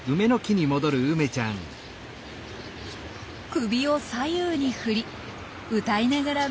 首を左右に振り歌いながらメスに近づきます。